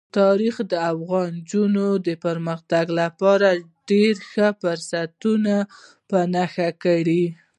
تاریخ د افغان نجونو د پرمختګ لپاره ډېر ښه فرصتونه په نښه کوي.